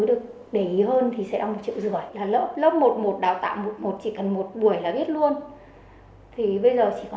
được để ý hơn thì sẽ một triệu rưỡi là lớp lớp một mươi một đào tạo một mươi một chỉ cần một buổi là biết luôn thì bây giờ